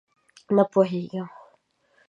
_نه پوهېږم!